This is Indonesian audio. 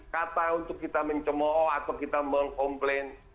kata untuk kita mencemo'o atau kita mengkomplain